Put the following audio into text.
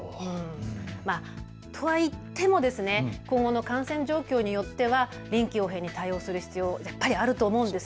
とはいっても今後の感染状況によっては臨機応変に対応する必要、あると思います。